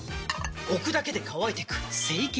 置くだけで乾いてく清潔